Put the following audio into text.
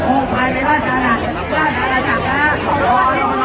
ขอบคุณมากนะคะแล้วก็แถวนี้ยังมีชาติของ